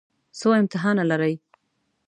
څو امتحانه لرئ؟